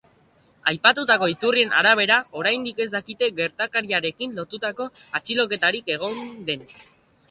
Aipatutako iturrien arabera, oraindik ez dakite gertakariarekin lotutako atxiloketarik egon den.